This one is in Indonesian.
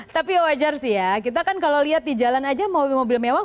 tapi ya wajar sih ya kita kan kalau lihat di jalan aja mobil mobil mewah